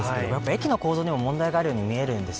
駅の構造にも問題があるように見えます。